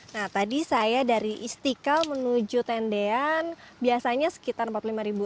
nah tadi saya dari istiqlal menuju tendean biasanya sekitar empat puluh lima ribu